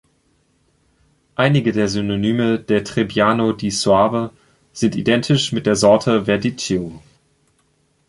Einige der Synonyme der Trebbiano di Soave sind identisch mit der Sorte Verdicchio.